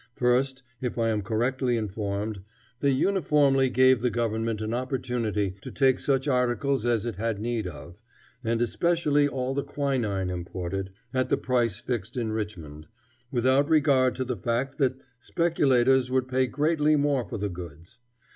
First, if I am correctly informed, they uniformly gave the government an opportunity to take such articles as it had need of, and especially all the quinine imported, at the price fixed in Richmond, without regard to the fact that speculators would pay greatly more for the goods.